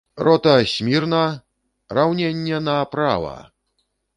Рота, смірна, раўненне направа!